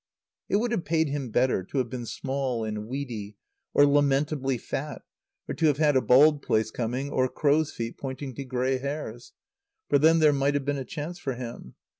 It would have paid him better to have been small and weedy, or lamentably fat, or to have had a bald place coming, or crow's feet pointing to grey hairs; for then there might have been a chance for him.